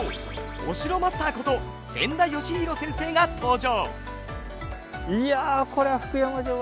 お城マスターこと千田嘉博先生が登場！